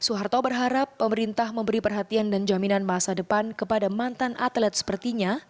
suharto berharap pemerintah memberi perhatian dan jaminan masa depan kepada mantan atlet sepertinya